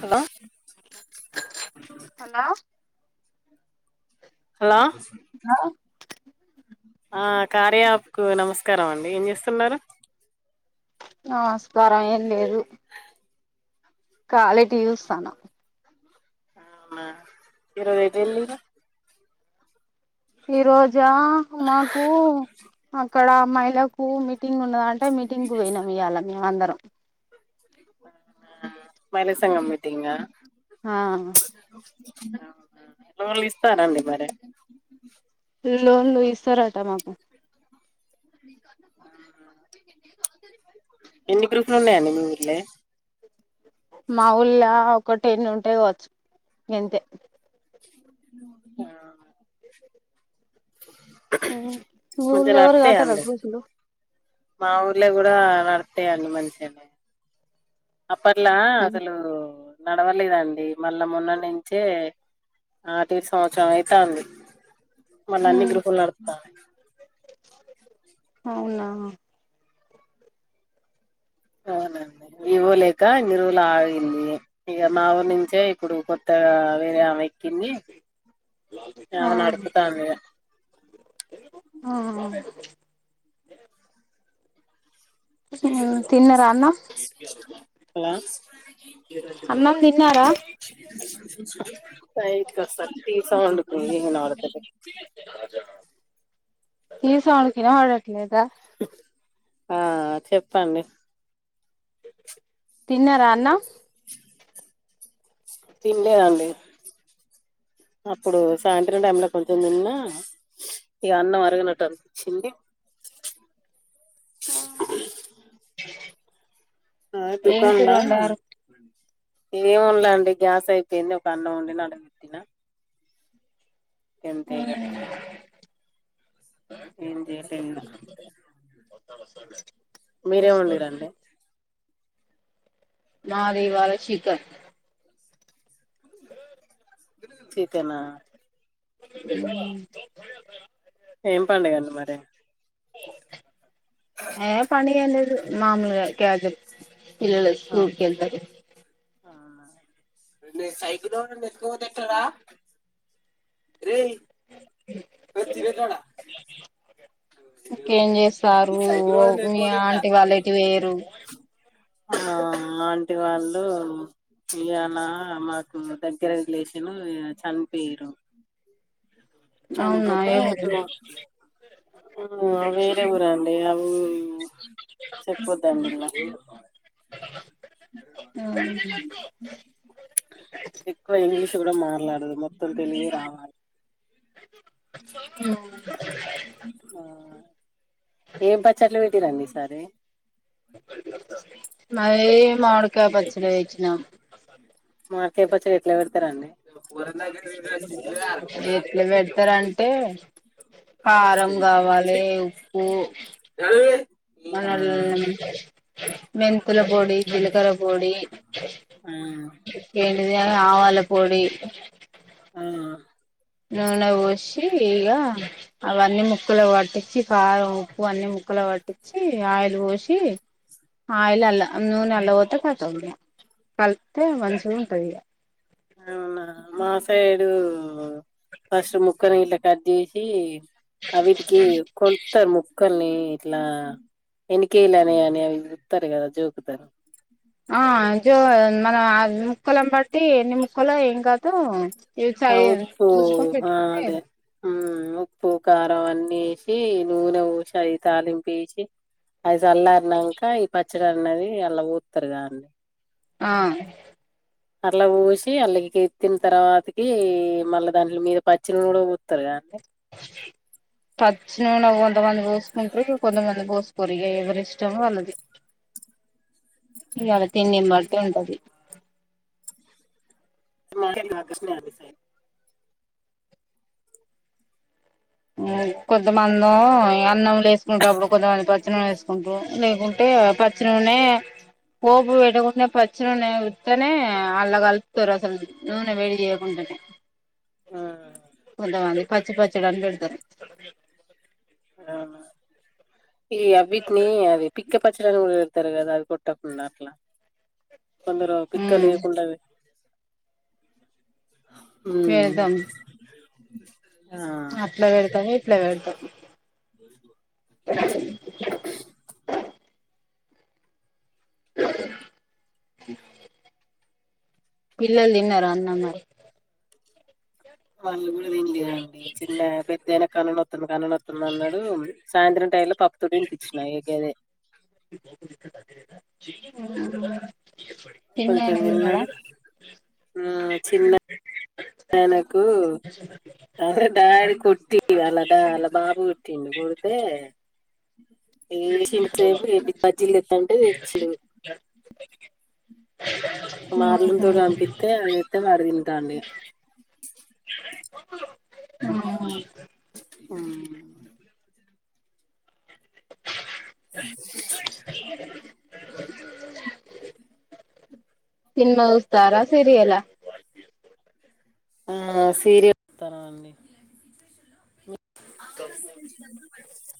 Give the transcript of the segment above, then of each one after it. హల hello hello స్కారం అండి ఏం చేస్తున్నరు నమస్కారం ఏం లేదు ఖాళీ టీ చూస్తానా ఇరవై తేల్లిగా ఈ రోజా మాకు అక్కడ మైళ పూల్ మీటింగ్ ఉన్నదంటే మీటింగ్ కు పోయినాము ఇయ్యాల మేమందరం మైల సంగం మీటీంగ ఆ లోన్లు ఇస్తారండి మరి లోన్లు ఇస్తరట మాకు ఎన్ని గ్రూప్లు ఉన్నాయండి మీ ఊళ్ళే మా ఊళ్ళ ఒక టెన్ ఉంటయి కావచ్చు గంతే ఆ ఉ ఊళ్ళ మంచిగా ఎవర్ గట్టరా నడుస్తాయండి గ్రూప్ లు మా ఊర్ల కూడా నడ్తయి మంచిగనే అప్పట్లా అసలు నడవలేదండి మళ్ళా మొన్న నుంచే ఆటిట్ సంవత్సరం అయితాంది మళ్ళ అన్ని గ్రూప్ లు నడ్తానయి అవునా అవునండి ఇవోలేక ఇన్ని రోలు ఆగింది ఇక నా ఊరు నుంచే ఇప్పుడు కొత్త ఆ వేరె ఆవెక్కింది ఆ ఆమె నడుపుతాంది ఇగ ఆ తిన్నరా అ హలో అన్నం తిన్నారా? ప్రైవేట్కస్త టి వి సౌండ్కు ఏం వినపడతలే. టి వి సౌండ్ కి ఇనపడట్లేదా? ఆ చెప్పండి. తిన్నారా అన్నం తినలేదండి, అప్పుడు సాయంత్రం టైంలో కొంచెం తిన్నా. ఇగ అన్నం అరగనట్టు అనిపించింది. ఆ ఆ దుకాన్ల ఏవండలా అండి గ్యాస్ అయిపోయింది, ఒక అన్నం వండిన ఆడపెట్టినా ఉమ్ ఏం చేసేది లా వస్తారు నాది ఇవాళ చికన్ చికనా? ఉమ్ ఏం పడగండి మరి? ఏ పని ఏం లేదు, మాముూలుగా క్యాజువల్ పిల్లలు స్కూల్కెళ్తారు సైకిలు ఎవరైనా ఎత్తుకపోతే ఎట్టరా? రేయ్ మే తినే కాడ ఇంకేం చేస్తారు ఓ మీ ఆంటి వాళ్ళ ఎటు పోయిర్రూ? ఆ ఆ ఆంటి వాళ్ళు తియానా మాకు దగ్గర రిలేషను చనిపోయిర్రు. అవునా చనిపోతే ఏ అటు ఊరు వేరే ఊరండి అది చెప్పొదండి ఇలాగే ఉహు ఎక్కువ ఇంగ్లీష్ కూడా మాట్లాడద్దు, మొత్తం తెలుగే రావాలె. ఆ ఏం పచ్చట్లు పెట్టిరండి? సరే మాయి మామిడి కాయ పచ్చడి ఏయించినం మార్కేటు చేతిలో పెడతరండి ఎట్లా పెడతరంటే కారం కావాలె, ఉప్పు ఆ మనల్ మెంత్ తుల పొడి, జీలకర్ర పొడి, ఆ ఏంటిది ఆవాల పొడి ఆ నూనె పోసి ఇగ అవన్నీ ముక్కులో కట్టిచ్చి కారం ఉప్పు అన్ని ముక్క అల వట్టిచి, ఆయిల్ పోసి ఆయిల్ ఆల్ నూనె అల్ల పొత్తే కతం కల్ప్ తే మంచిగ ఉంటదిగ అవునా మా సైడు ఫస్ట్ ముక్కలు గిట్లా కట్ చేసి అవిటికి కొల్తార్రు ముక్కల్ని ఇట్లా ఎనకే ఇలానే అని అవినిపిత్తారు కదా జోకుతారు ఆ జో మన ముక్కలం బట్టి ఎన్ని ముక్కలు ఏం కాదు అప్పు అదే ఉప్పు కారం అన్ని ఏషి నూనె బోషి అయి తాలింపేసి అయి చల్లారనాంక ఈ పచ్చడి అన్నది అల్ల బోత్తరు గా ఆ అట్లా పోసి అల్ళకి ఎత్తిన తర్వాతకి మళ్ళీ దాంట్లో మీద పచ్చి నూనె గూడా పోత్తారు కాండి పచ్చి నూనె కొంతమంది పోసుకుంటారు ఇ కొంతమంది పోసుకోరు ఇగ ఎవరిష్టం వాళ్ళది ఇయాళ తిండిని బట్టి ఉంటది కృష్ణ అనుై కొంతమందో అన్నం లేసుకుంటప్పుడు కొంతమంది పచ్చని వేసుకుంటారు లేకుంటే పచ్చినూనె పోపు వెట్టకుండా పచ్చ నూనె ఉత్తనే అళ్లా కలుపుతారు అసలు నూనె వేడి చేయకుండా ఉమ్. కొంతమంది పచ్చి పచ్చడని పెడతారు ఈ అబిక్నీ అది పిక్క పచ్చడని ఇతారు కదా అవి కొట్టకుండా అట్లా కొందరు పిక్కలు ఉమ్ వయకుండా ఉమ్ పెడతాం ఆ అట్లా వెడతా ఎట్లా వెడతా పిల్లల్ది న్నార అన్న మరి వాళ్ళు కూడా వింలేదండి చిన్న పెద్దన కన్న కన్నా వత్తాన్నాన్నాడు సాయంత్రం టై లో ప తడు తీచ్చ నాకే కొంచెం చిన్నాయన తిన్నాడా తిన్నాడు ఆ చిన్న ననకు డాడి కొట్టి అలా డా అలా బాబు కుటిడి కూడితే ఏ చిం సేపు బజ్జీలుస్తంటే తెచ్చడు మాల్లుని తోడు పంపిత్తే అతే మరి తింటాన్ని ఆ సినిమా చూస్తారా, సీరియలా? ఆ సీరియల్ చూస్తామండి.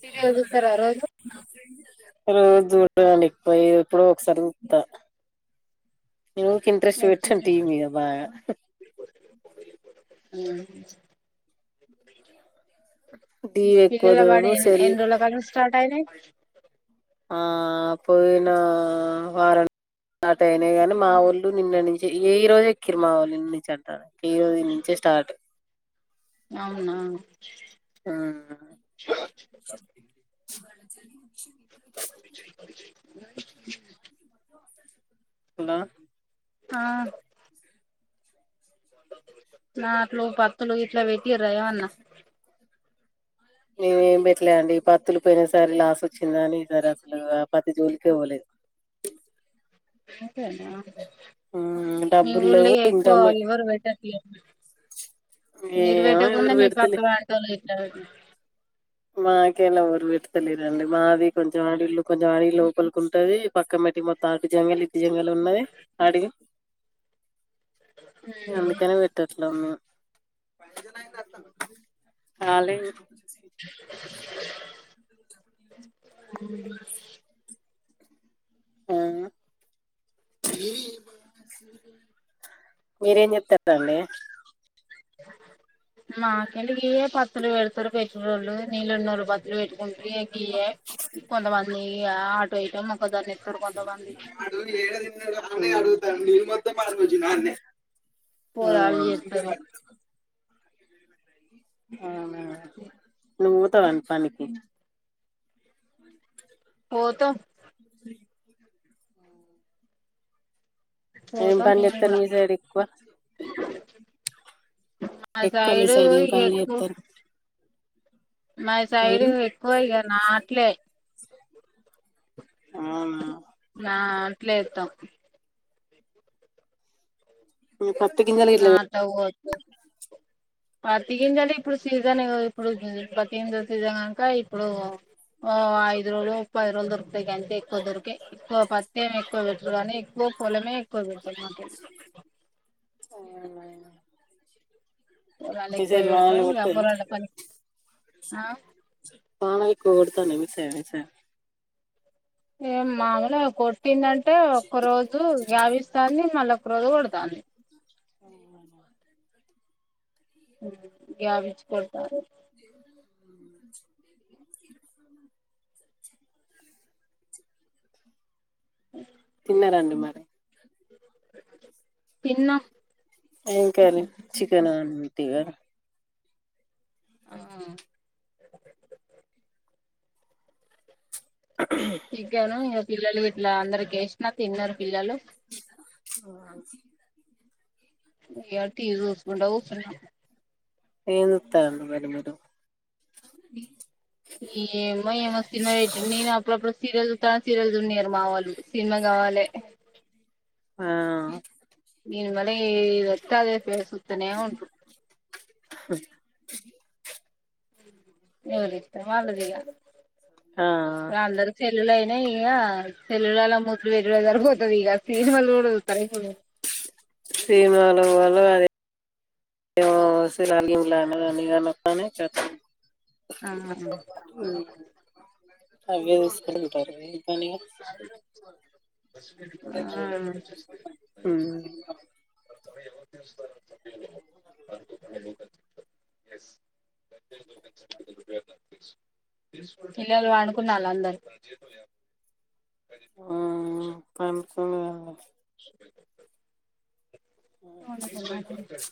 సీరియల్ చూస్తారా రోజు శ రోజు చూడ్డానికి పోయి ఇప్పుడో ఒకసారి చూత్తా ఈనే ఊకె ఇంట్రెస్ట్ పెట్టం టీవి మీద బాగా ఉమ్ టీవీ ఎక్కువ పిల్లల పడి చూడను ఎన్ సెల్ ఎన్ని రోజుల కాట స్టార్ట్ అయినయి ఆ పోయినా వారం అట అయినయ్ గని మా ఒళ్ళు నిన్న నుంచి, ఈ రోజు ఎక్కిరు మా ఒళ్ళు ఇంటి నుంచి అంట. ఈ రోజు నుంచే స్టార్ట్ అవునా ఆ చష హలో! ఆ నాట్లు, పత్తులు ఇట్లా పెట్టిర్ర రా ఏమన్నా? నేను ఏం పెట్టలే అండి పత్తులు పోయిన సారి లాస్ వచ్చింది. కాని ఈ సారి అసలు ఆ పత్తి జోలికే పోలే. అయిపోయిందా? మీ డబ్బులు ఊళ్ళో లేవు ఎక్కువ ఇన్కమ్ ఎవ్వరూ పెట్టట్లేదు. మీరు ఏమో ఎవరు పెట్టకున్న మీ పెడతలే పక్క టోల్లు ఎట్లా పెట్టినారు? మాకెల్లి ఎవరు పెడతాలేదండి మాది కొంచెం. ఇళ్లు కొంచెం అడవి లోపలికి ఉంటది పక్క మట్టి మొత్తం అటు జంగలి ఇటు జంగల్ ఉన్నది ఆడివి [inaudible] అందుకనే పెట్టట్లే మేము కాలేదు ఉం [inaudible] ఆ [inaudible] మీరేం చెప్తారండి. మా సైడ్ పత్తులు పెడతారు. పెట్టెటోళ్లు నీళ్ళు ఉన్నోళ్లు పత్తులు పెట్టేటోళ్ గుంట కీ ఏ కొంత మంది ఆ వాడు ఏడ తిన్నాడు అని ఆ అడుగుతా నీళ్లు మొత్తం పారపోసిండానే. పోరాగాల్లూ చేత్తారు. ఆ [inaudible] నువ్వు పోతావా పనికి? పోతా సై ఏ పోతాం పని మేము చేస్తారు కూడా మీ సైడ్ ఎక్కువ. మా ఎక్కువ మీ సైడ్ ఏం పనులు ఎక్కువ చెప్తారు మా సైడ్ ఉమ్ ఎక్కువ ఇగ నాట్లే అవునా నాట్లు ఏత్తం. మ్ పత్తి గింజలు గిట్ల బ [inaudible] పత్తి గింజలు ఇప్పుడు సీజన్ ఇప్పుడు పత్తి గింజలు సీజన్ అంతా ఇప్పుడు ఓ ఐదు రోజులు పది రోజులు దొరుకుతాయి గంతే ఎక్కువ పత్తేమ్ ఎక్కువ పెట్టరు కానీ ఎక్కువ పొలమే ఎక్కువ పెడుతారు మాకు. అవునా పొలాలు ఎక్కువ పెడుతారు వ్యాపారాలు పని ఆ పామై ఎక్కువ కోడుతానయా మీ సైడ్ ఈ సారి ఏం మామూలే కొట్టిందంటే ఒక్క రోజు గ్యాప్ ఇస్తాంది మళ్ళా. రోజూ కొడతాంది. అవునా గ్యాప్ ఇచ్చి కొడతాంది. అవునా తిన్నారండి మరి? తిన్నా ఏం కర్రీ చికెన్ ఆంటివి కదా అహ్ హూ చికెన్ ఇగ పిల్లలు గిట్ల అందరికి ఏసిన తిన్నారు పిల్లలు. ఆ ఇగ టీవీ చూసుకుంటా కూసున ఏం చూతర్ర్ మరి మీరు ఏమో ఎమో సినిమా పెట్టిండు నేను అప్పుడప్పుడు సీరియల్ చూత అంటే సీరియల్ చూడనియరు మా వొళ్ళు. సినిమా కావాలే ఆ ఇని మనే ఏది వతే అది సుతానే ఉంట్రు ఎవలి ఇష్టం వాళ్లదిగా. ఆ సేల్లులయినా ఇక సేల్లులలో ముద్దులు పెట్ డే జరిపోతది ఇక సినుమాలు కూడా చూతరా ఇప్పుడు. సినిమాలో వాళ్ళు అదే ఏమో వాసుల నీవు ఆ [unintelligible] ఉమ్ అవే చూసుకుంటూ ఉంటారు ఇకానిగా ఉమ్ ఆ [unintelligible] ట పిల్లలు పడుకున్నళ్ళు అందరు ఆ ఆ పన్ [unintelligible]